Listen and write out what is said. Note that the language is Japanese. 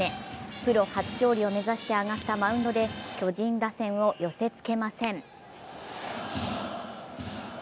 プロ初勝利を目指して上がったマウンドで巨人打線を寄せつけません。